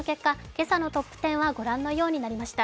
今朝のトップ１０はご覧のようになりました。